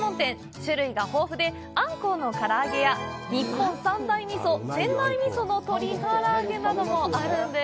種類が豊富で、アンコウのから揚げや日本三大味噌・仙台味噌の鶏から揚げなどもあるんです。